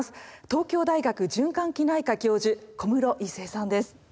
東京大学循環器内科教授小室一成さんです。